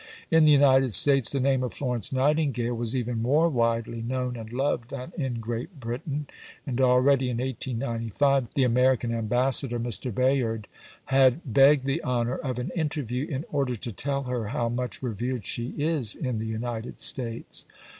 In the United States the name of Florence Nightingale was even more widely known and loved than in Great Britain, and already in 1895 the American Ambassador (Mr. Bayard) had begged the honour of an interview in order to tell her "how much revered she is in the United States."